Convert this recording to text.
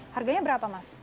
harganya berapa mas